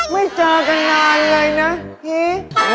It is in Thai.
ไม่เจอกันนานเลยนะพี่